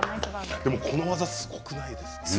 この技すごくないですか？